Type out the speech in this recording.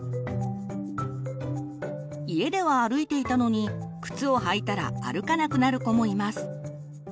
家では歩いていたのに靴を履いたら歩かなくなる子もいます。